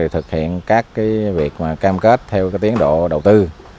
thực hiện các việc cam kết theo tiến độ đầu tư